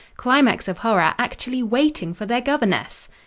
Climax of horror! actually waiting for their governess!!!